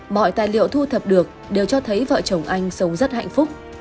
mọi tài liệu thu thập được đều cho thấy vợ chồng anh sống rất hạnh phúc